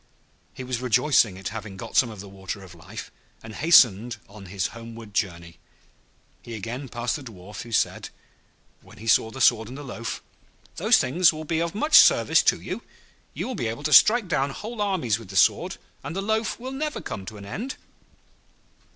He was rejoiced at having got some of the Water of Life, and hastened on his homeward journey. He again passed the Dwarf, who said, when he saw the sword and the loaf, 'Those things will be of much service to you. You will be able to strike down whole armies with the sword, and the loaf will never come to an end.'